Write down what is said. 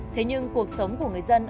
thế nhưng cuộc sống của bãi đà phước